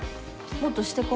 もっとしてこ。